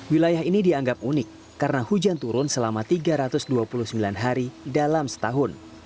wilayah ini dianggap unik karena hujan turun selama tiga ratus dua puluh sembilan hari dalam setahun